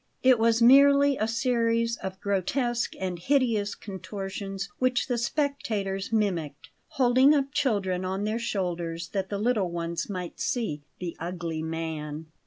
It was merely a series of grotesque and hideous contortions, which the spectators mimicked, holding up children on their shoulders that the little ones might see the "ugly man."